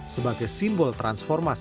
sebagai simbol transformasi